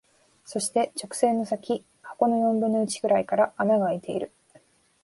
そして、直線の先、箱の四分の一くらいから穴が空いている。